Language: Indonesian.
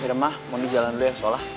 ya udah ma mau jalan dulu ya salam